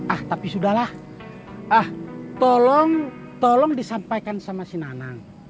ah tapi sudahlah ah tolong tolong disampaikan sama si nanang